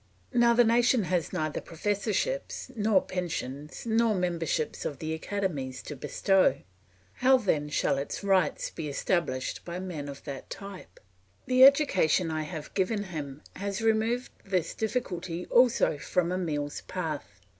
Now the nation has neither professorships, nor pensions, nor membership of the academies to bestow. How then shall its rights be established by men of that type? The education I have given him has removed this difficulty also from Emile's path.